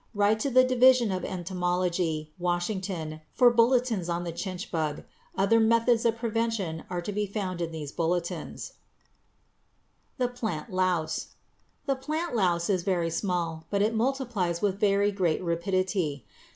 Write to the Division of Entomology, Washington, for bulletins on the chinch bug. Other methods of prevention are to be found in these bulletins. [Illustration: FIG. 165. A PLANT LOUSE COLONY] =The Plant Louse.= The plant louse is very small, but it multiplies with very great rapidity.